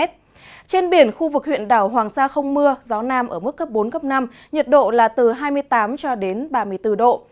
trên biển khu vực huyện đảo hoàng sa không mưa gió nam ở mức cấp bốn năm nhiệt độ là từ hai mươi tám ba mươi bốn độ